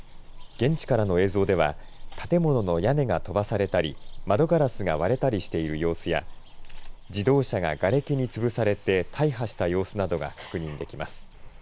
現地からの映像では建物の屋根が飛ばされたり窓ガラスが割れたりしている様子や自動車が、がれきにつぶされて大破した様子などが確認できます。